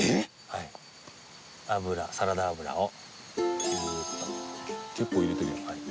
はい油サラダ油をピューッと結構入れてるやんはい